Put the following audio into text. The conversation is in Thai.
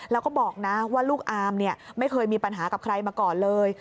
แล้วก็บอกนะว่าลูกอามเนี่ยไม่เคยมีปัญหากับใครมาก่อนเลย